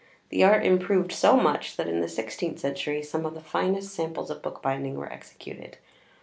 The art improved so much, that in the sixteenth century some of the finest samples of bookbinding were executed.